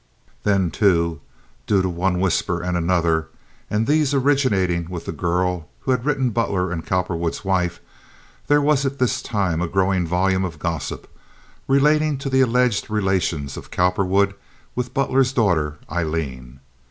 Then, too, due to one whisper and another, and these originating with the girl who had written Butler and Cowperwood's wife, there was at this time a growing volume of gossip relating to the alleged relations of Cowperwood with Butler's daughter, Aileen.